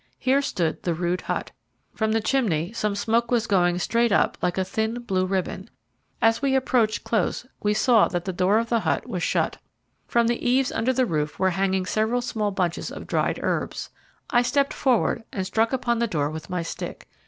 Here stood the rude hut. From the chimney some smoke was going straight up like a thin, blue ribbon. As we approached close we saw that the door of the hut was shut. From the eaves under the roof were hanging several small bunches of dried herbs. I stepped forward and struck upon the door with my stick.